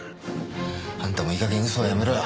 あんたもいい加減嘘はやめろよ。